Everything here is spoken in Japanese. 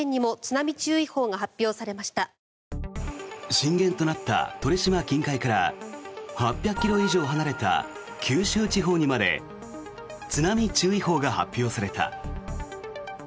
震源となった鳥島近海から８００ｋｍ以上離れた九州地方にまで津波注意報が発表された。